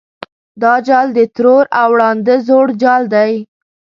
دا جال د ترور او ړانده زوړ جال دی.